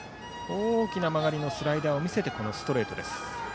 大きな曲がりのスライダーを見せてからストレートです。